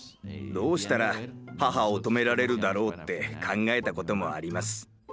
どうしたら母を止められるだろうって考えたこともあります。